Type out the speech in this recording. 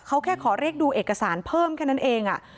เขาแค่ขอเรียกดูเอกสารเพิ่มแค่นั้นเอง